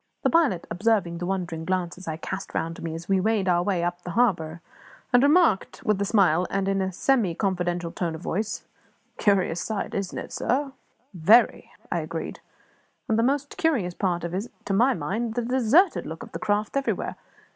The pilot observed the wondering glances I cast around me as we made our way up the harbour, and remarked, with a smile, and in a semi confidential tone of voice "Curious sight, isn't it, sir?" "Very," I agreed. "And the most curious part of it, to my mind, is the deserted look of the craft, everywhere.